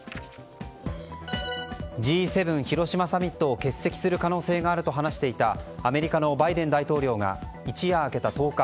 Ｇ７広島サミットを欠席する可能性があると話していたアメリカのバイデン大統領が一夜明けた１０日